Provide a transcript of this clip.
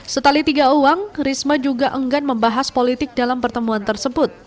setali tiga uang risma juga enggan membahas politik dalam pertemuan tersebut